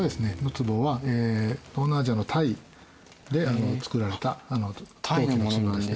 つぼは東南アジアのタイで作られた陶器のつぼです。